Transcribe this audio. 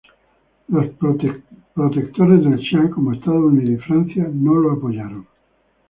Los protectores del Sha, como Estados Unidos y Francia, no lo apoyaron.